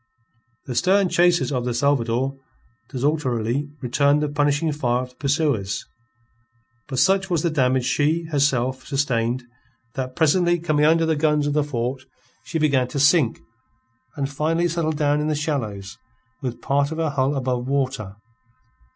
The stern chasers of the Salvador desultorily returned the punishing fire of the pursuers; but such was the damage she, herself, sustained, that presently, coming under the guns of the fort, she began to sink, and finally settled down in the shallows with part of her hull above water.